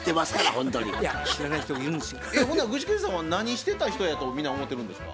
ほんなら具志堅さんは何してた人やと皆思ってるんですか？